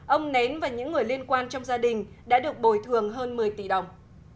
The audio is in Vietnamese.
ông nến và những người liên quan trong gia đình đã được bồi thường hơn một mươi tỷ đồng